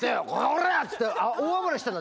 「おら！」っつって大暴れしてたの。